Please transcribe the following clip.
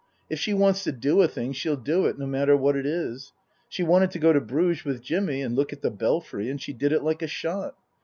If she wants to do a thing she'll do it, no matter what it is. She wanted to go to Bruges with Jimmy and look at the Belfry, and she did it like a shot.